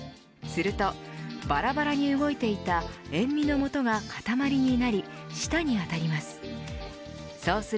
すると、ばらばらに動いていた塩味のもとが固まりになり舌に当たります。